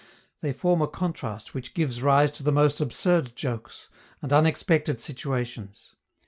They form a contrast which gives rise to the most absurd jokes, and unexpected situations.